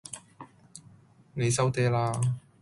你收嗲啦